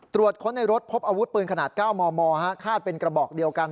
ตรวจค้นในรถพบอาวุธปืนขนาด๙มมคาดเป็นกระบอกเดียวกัน